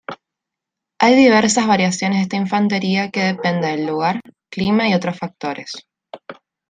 Hay diversas variaciones de esta infantería que depende del lugar, clima y otros factores.